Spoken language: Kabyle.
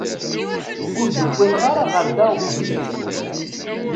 Ur d-wwiḍeɣ ara ɣer da uqbel-ik.